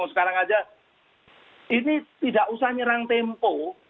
sekarang aja ini tidak usah nyerang tempo